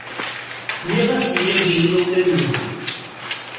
Nniɣ-asen yagi i yimawlan-nwent.